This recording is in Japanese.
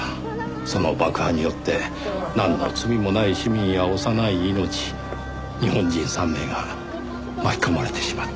その爆破によってなんの罪もない市民や幼い命日本人３名が巻き込まれてしまった。